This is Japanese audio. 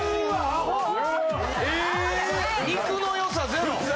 肉の良さゼロ。